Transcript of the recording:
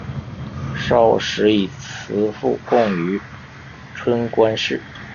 少时以辞赋贡于春官氏。